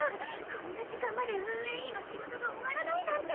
こんな時間まで運営委員の仕事が終わらないなんて！